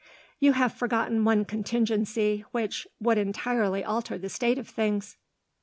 "You have forgotten one contingency, which would entirely alter the state of things."